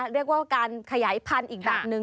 เรียกว่าการขยายพันธุ์อีกแบบนึง